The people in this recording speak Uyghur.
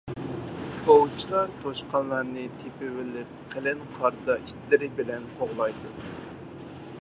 ئوۋچىلار توشقانلارنى تېپىۋېلىپ قېلىن قاردا ئىتلىرى بىلەن قوغلايدۇ.